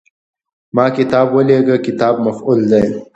ما کتاب ولېږه – "کتاب" مفعول دی.